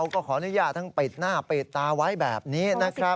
ก็ขออนุญาตทั้งปิดหน้าปิดตาไว้แบบนี้นะครับ